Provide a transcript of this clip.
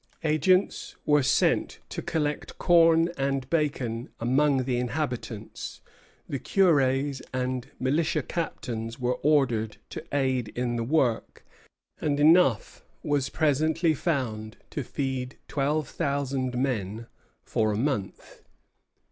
Agents were sent to collect corn and bacon among the inhabitants; the curés and militia captains were ordered to aid in the work; and enough was presently found to feed twelve thousand men for a month.